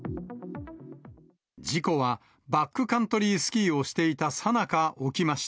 事故は、バックカントリースキーをしていたさなか起きました。